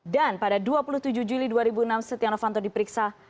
dan pada dua puluh tujuh juli dua ribu enam setia novanto diperiksa